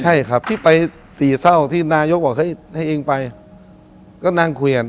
ใช่ครับที่ไปสี่เศร้าที่นายกบอกเฮ้ยให้เองไปก็นั่งคุยกัน